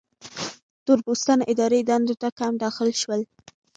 تور پوستان اداري دندو ته کم داخل شول.